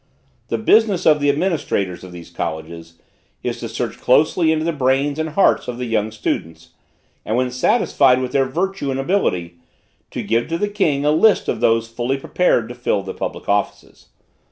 The business of the administrators of these colleges is to search closely into the brains and hearts of the young students, and when satisfied with their virtue and ability, to give to the king a list of those fully prepared to fill the public offices.